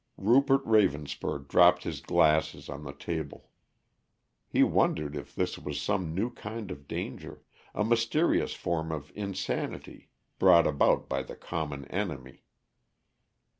Rupert Ravenspur dropped his glasses on the table. He wondered if this was some new kind of danger, a mysterious form of insanity, brought about by the common enemy.